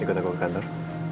ikut aku ke kantor